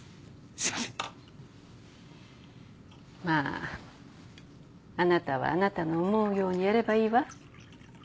まああなたはあなたの思うようにやればいいわ。